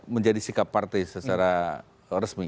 menjadi sikap partai secara resmi